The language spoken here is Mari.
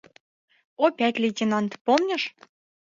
Опять лейтенант, помнишь?